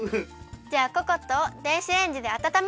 じゃあココットを電子レンジであたためよう！